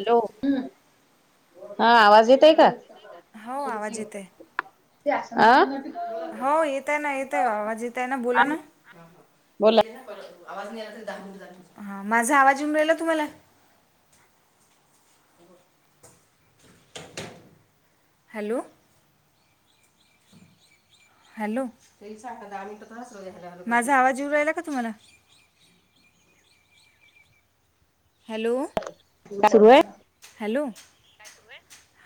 Hello हा आवाज येत आहे का. हो आवाज येते ह हो येतय ना येतय आवाज येतय ना बोला ना. बोला माझा आवाज उम राला तुम्हाला हॅलो. हॅलो माझा आवाज येऊ राहिला का तुम्हाला हॅलो. सुरू आहे. हॅलो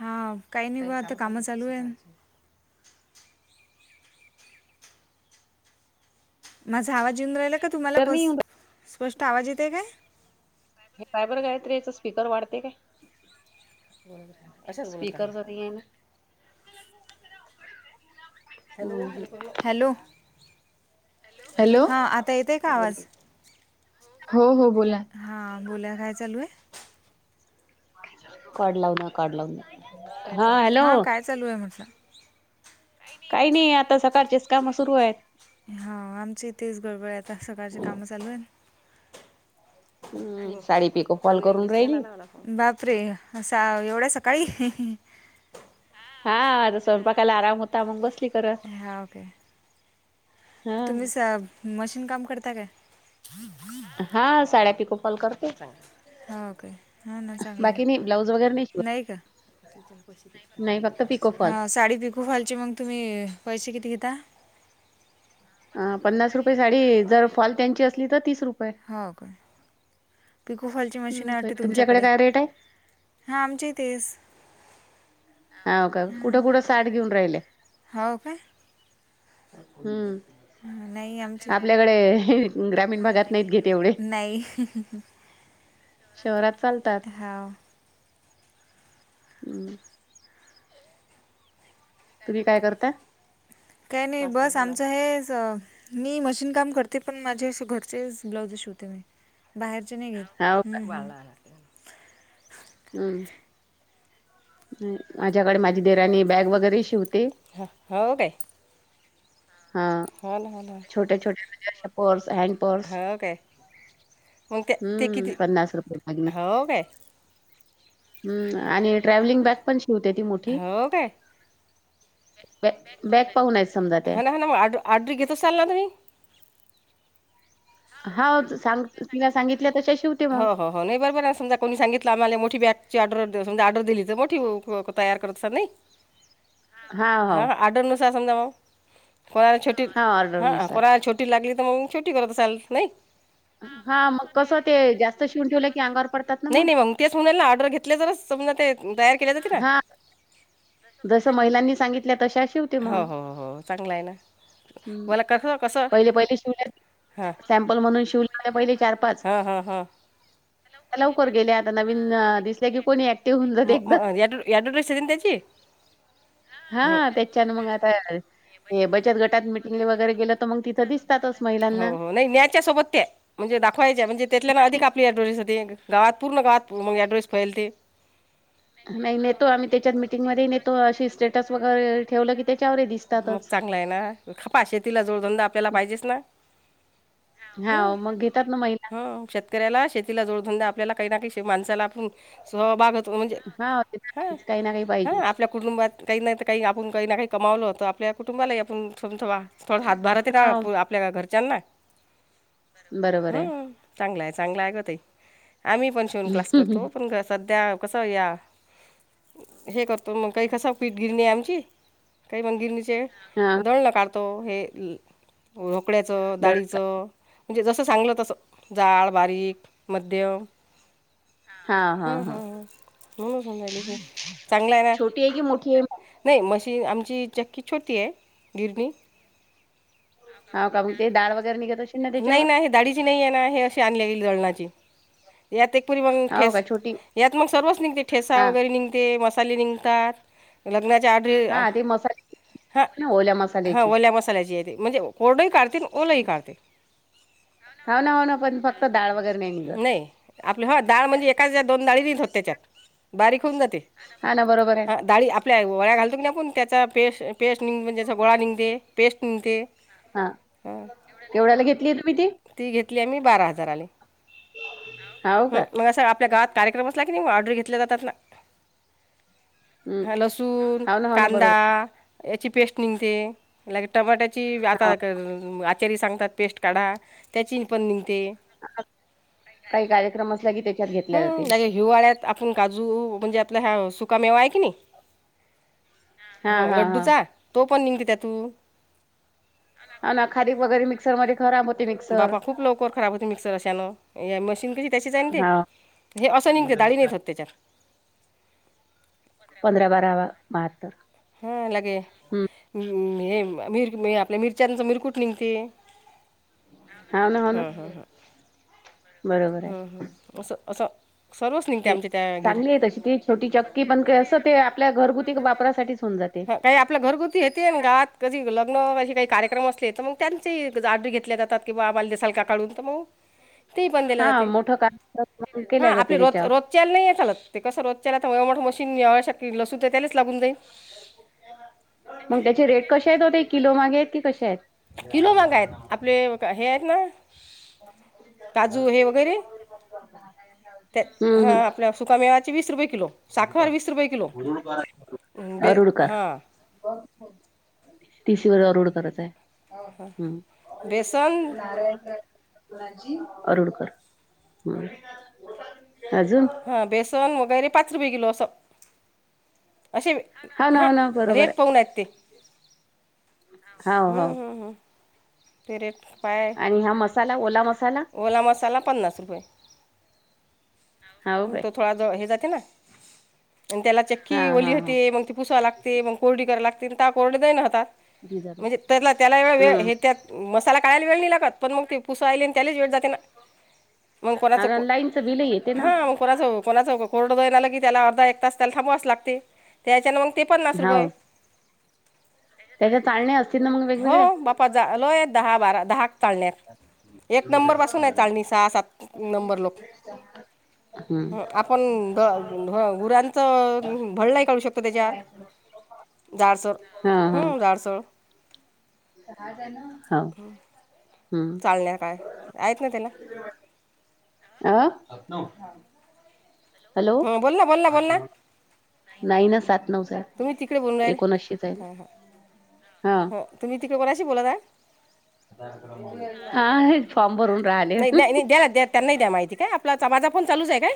हां काही नाही ग आता कामं चालू आहे. माझा आवाज येेऊन राहिला का तुम्हाला तर नाही पस येऊन स्पष्ट आवाज येते काय. हे फायबर गात रे याचचा स्पीकर वाढते काय. बोलत रा अच्ाच [unintelligible] बोलत राहणार. ला जराडतय मला हॅलो. हॅलो हां आता येत आहे का आवाज हो हो बोला. हां बोोल काय चालू आहे. कढलाव ना काढलाव ना. हा काय चालू आहे म स काही नाही आता सकाळचेच काम सुरू आहेत. हा आमची इथेच गडबळ आता सकाळची काम चालू आहे. हम्म साडी पिकअप हॉल ऑनलाईन करून दिसल्या ना राहिली. लावला बापरे अस एवढ्या सकाळी. हा अं स्वयपपाकाला आराम होतता मंगोसली ह ओके हा तुम्हीच मशीन काम करता का हा साड्या पिकू कॉल करते हा ओके हां ना चांगलं आहे. बाकी नाही ब्लाऊज वगैरे नाही शिवत नाही का नाही फक्त पिको फॉल हा साडी प खूप हालचे मग तुम्ही पैसे किती घेता अ पन्नास रुपये साडी जर फॉल त्यांची असली तर तीस रुपये हो का पिको फॉलची हम्म मशीन तर वाटते तुमच्याकडे काय रेट आहे? हा आमचे तेस हा का कुठं कुठं साठ घेऊन राहिले हो का हम्म नाही आमची आपल्याकडे ग्रामीण भागात नाहीत घेत एवढे नाही शहरात चालतात हो हम् तुम्ही काय करता काही नाही बस आमचं हेच मी मशीन काम करते पण माझे असे घरचेच ब्लाउज शिवते मी बाहेरचे नाही घेत हा हमं हम् माझ्याकडे माझी देरानी बॅग वगैरे शिवते हो हो हा होल होल होल छोटे छोटेजारच्या पर्स हँड पर्स हो काय मग ते ते किती हम्म पन्नास रुपये लागल हो काय हम्म आणि ट्रॅव्हलिंग बॅग पण शिवते ती मोठी हो काय ब बॅग पाहून आहेत समजा त्या ऑर्र घेत चाल ना तु्ही हा सांग तिला सांगितल्या तश शिव हा हो हो नाही बरंर ना समजा कोणी सांगितलं आम्हाला मोठी बॅगची ऑर्डर द समजा ऑर्डर दिली तर मोठी तयार करत अस नाही [inaudible] हा आर्डरनुसार समजा म कोराट हा हा ऑर्डरनुसार कोणा ेट लागली तर मग मी शेवटी करत असाल नाही हा मग कसं ते जास्त शिवून ठेवलं की अंगावर पडतात नाही नाही मग तेच म्हणाला ऑर्डर घेतले जच सम ते तयार केले जातील ना हा जसं महिलांनी सांगितल्या तश शि होते मग हो हो हो चांगलं आहे ना हम्म मला कसं कसं पहिले पहिले शिवल्या सॅमपल म्हणून शिवल्याल्या पहिले चार पाच हा, हा, हां. लवकर गेले. आता नवीन दिसले की कोणी - [unintelligible] [unintelligible] [unintelligible] [unintelligible] आपली ॲड्रेस नाही होते. गावात पूर्ण गावात म ॲड्रेस फैलता. नाही, नेतो आम्ही. तेच्यात मीटिंग मध्येही नेतो, अशी स्टेटस वगैरे ठेवलं की - [unintelligible] [unintelligible] [unintelligible] [unintelligible] हा मग घेतात ना महिला सहभाग होतो, म्हणजे हा ते तर ह. आहेच, काही ना काही ह. पाहिजे आपल्या - कुटुंबात काही नाही, त आपण काही ना काही कमावन होतं, आपल्या कुटुंबाले आपण थमथवा. थोडा हातभार हाते का हा आपल्या घरच्यांना? बरोबर आहे. चांगल आहे, चांगल आहे ग, ते आम्ही पण शिवन क्लास करतो, पण ग, सध्या कसं या हे करतो मग काही कसं पीठगिरणी आमची मंदिर नचे हा. जणण काढतो हे रोकड्याचं दळका डाळीचं. म्हणजे जसं चांगलं तसं जाळ बारीक मध्यम हा हा हम्म हम हा हम म्हणूनचजली क छोटी आहे की मोठी आहे? [unintelligible] नाही, मशीन आमची चक्की छोटी आहे गिरणी. हा का? मग ते डाळ वगैरे निघत. असेल नई त्याच्यावर? ना, हे दाळीची नाही आहे ना, हे अशी आणली गेली दळणाची. [unintelligible] हाव का छोटी हा ते मसाले निंघतात. [inaudible] म्हणजे, हा ते मसाले ना ओल्या मसाल्याची कोर्डही काढते, ओलही काढते. हाव, ना हो ना. पण फक्त दाळ वगैरे नाही निघत. [unintelligible] हा ना बरोबर आहे. [unintelligible] [unintelligible] हा, हां केवढ्याला घेतली तुम्ही ती? ती घेतली हे मी बारा हजाराले, हाव म का अस आपल्या गावात कार्यक्रम असला की नी व, ऑर्डरी घेतल्या जातात न हम्म हा, लसून, हाव ना हो ना कांदा बरोबर याची पेस्ट निंघते, लागे टमाट्याची. आता हाव आचारी सांगतात. पेस्ट काढा, त्याची पण निंघते. काही कार्यक्रम असला की, त्येच्यात घेतल्या हं, जाते. लागे हिवाळ्यात आपण काजू म्हणजे आपला हा सुका मेवा आहे की, नी? हा हो, हा हा लड्डूचा? तो पण निंघते त्यातून. [unintelligible] [unintelligible] तशीच हाय न, हाव ते अस निंघते, दाळी नई होत तेच्यात. पंधरा, बारा, बा बहात्तर. हां लगे, हम्म हम् हे मिर आपल्या मिरच्यांच मिरकुट निंघते. हा, न हो न. हां हां [unintelligible] [unintelligible] छोट चक्की पण काय, असं ते आपल्या घरगुती वापरासाठी हून जाते. हां काही आपले घरगुती येते, अन गावात कधी लग्न असे काही कार्यक्रम असले, तर मग त्यांचेही जाते घेतले जातात. कि बाबाला दिसाल का काढून तर मग. ते पण दिलं हा जाते मोठं काम हा केल्या आपली जाते रोज त्याच्यावर. रोज च्याल नाई चालत ते कसं रोजच्याला तवळ मोठं मशीन यावाशाती लसू द त्यालाच लागून जाईल. मग त्याचे रेट कशे येत ओ ते किलो मागे येत की कशे येत? किलो माग हायत आपले हे हायत ना काजू हे वगैरे ते हा हम्म हम्म आपल्या सुका मेवाचे वीस रुपये किलो साखर वीस रुपये किलो. बे हां ती शिवर रोड करत आहे. बेसन हम्म नारायन राज. अरुडकर हम्म अजून हा बेसन वगैरे पाच रुपये कीलो असं. अशे हो ना हा हो ना बरोबर रेट पाहून आहेत ते, आहे हो हम्म हो हम्म हम्म. ते रेट पाय आणि हा मसाला ओला मसाला ओला मसाला पन्नास रुपये. हाव काय हा हा हा [unintelligible] जिरा हम्म [unintelligible] [unintelligible] [unintelligible] हा कोणाचं कोणाच कोरड धुवाय लागल की त्याला अर्धा एक तास त्याला थांबावाच लागते. त्याच्यान मग ते पन्नास रुपय. हाव त्याच्या चाळणे असतील ना मग वेगवेगळे. पजा आलोय दहा बारा दहा चाळण्यात एक नंबरपासून हाय चाळणी सहा सात नंबर लोक हम्म ह आपण [unintelligible] घुरांचं भळ नाई काढू शकतो त्याच्या हा हा [inaudible] हा. हम्म चालण्या काय आहेत ना त्यांना अ. हॅलो हो बोलना बोलना बोलना. नाही ना सात नऊ सात तुम्ही तिकडे बोलून एकोणाशी राहिले हाईना हां हां हा हां तुम्ही तिकड कोणाशी बोलत हाय? हा हे फॉर्म भरून राहाले. [inaudible] त्यांनाही द्या माहिती काय. आपला कामाचा फोण चालूच आहे काय?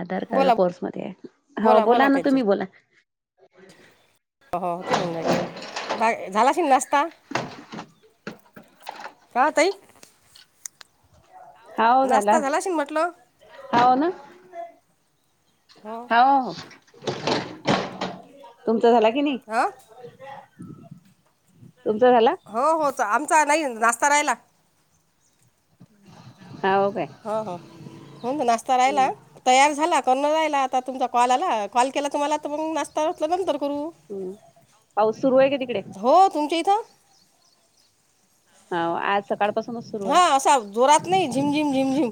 आधार कार्ड बोला पोर्स मध्ये आहे. हा ओ बोला ना तुम्ही बोला. हो ते हून जाईल बा झालाश नास्ता? का तई? हाव झाला नाश्ता शिन म्हटलं हाव ना. हो हाओ तुमचा झाला की नाही? आ? तुमचा झाला? हो हो च आमचा नाई नास्ता रायला. हा हो काय? ही हो हूं नाश्ता राहिला? तयार झाला करून जायला आता तुमचा कॉल आला कॉल केला तुम्हाला आता मग नास्ता म्हटलं नंतर करू. हम्म. हो. तुमच्या इथं? ह आज सकाळ पासूनच सुरू आहे. हां असा जोरात नाही झिमझिम झिमझिम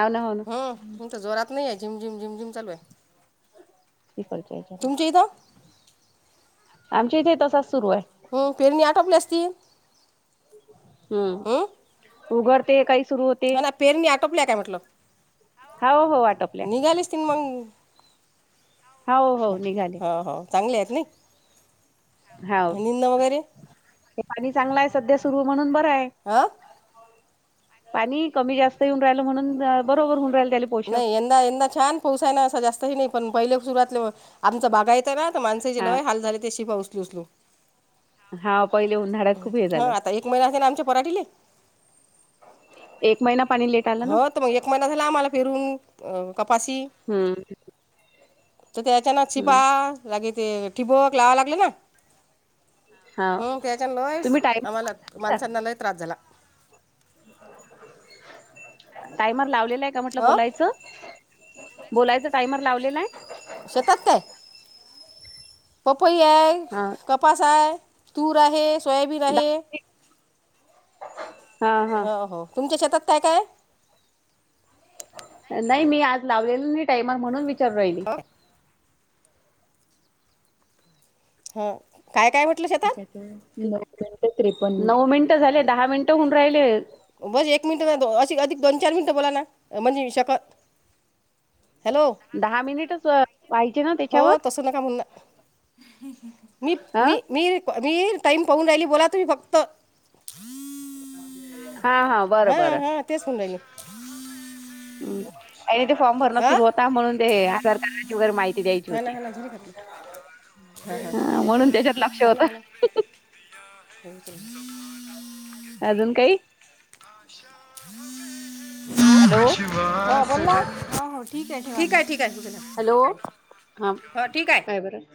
हो ना हो ना हम तर जोरात नाही आहे झिम झिम झिम झिम चालू आहे क करच्या तुमच्या [unintelligible] इथं आमच्या इथे तसाच सुरू आहे. हम्म फेरणी आटोपले असती हम्म. उघड ते काही सुरू हो ह ना पेरणी आटोपल्या काय म्हटलं हो हो वाट निघालेस ती मग हो हो चांगले आहेत ना हा हे पाणी चांगलं आहे सध्या सुरू म्हणून बरं आहे आ पाणी कमी जास्त येऊन राहिलं म्हणून बरोबर होऊन राहिल त्यामुळे नाही यंदा यंदा छान पोसाय ना असं जास्तही नाही पण पहिले सुरुवातीला आमच बागा येत आहे ना माणसं जे हा लय हाल झाले ते शि पाऊस उचलो हा पहिले उन्हाळ्यात खूप हे हं झालं आता एक महिना झाला आमच्या पराठीले एक महिना पाणी लेट आल ना त मग एक महिना झाला आम्हाला फिरून कपाशी हम्म तर त्याच्या ना चीपा हम्म लागेच ते ठिबक लावाव लागलं ना हा हम्म त्याच्या लयच तुम्ही टाईम आम्हाला माणसांना लय त्रास झाला. टायमर लावलेलाय का म्हटलं हो बोलायचं? बोलायच टायमर लावलेलाय? शेतात काय पपई आहे हा कपास आहे तूर आहे सोयाबीन आहे दहा हा हो हो तुमच्या शेतात काय काय आहे [inaudible] नाही मी आज लावलेला नाही टायमर म्हणून विचारून राहिले आहे? ह काय काय म्हटलं शेतात नऊ नऊ मिनिटं झाले दहा मिनिटं होऊन राहिले बस एक मिनिटं अशी अधिक दोन चार मिनिटं बोला ना म्हणजे शकतं हॅलो दहा मिनिटच पाहिजे ना हो त्याच्यावर तस नका म्हण ना मी ह मी मी मी टाईम पाहून राहिली बोला तुम्ही फक्त [inaudible] हा हा. बरं हा बरं हा तेच म्हणून राहिले आणि ते फॉर्म भरण हां सुरु होता म्हणून ते आधार कार्डाची वगैरे माहिती द्यायची होती [unintelligible] हां हां हा म्हणून त्याच्यात लक्ष हा ना होत हा ना [inaudible] अजून काही? [inaudible] हॅलो. हो हो ठीक आहे ठीक आहे ठीक आहे. हॅलो हा हो काय बरं